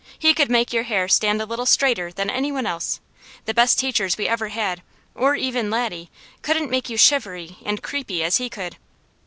He could make your hair stand a little straighter than any one else; the best teachers we ever had, or even Laddie, couldn't make you shivery and creepy as he could.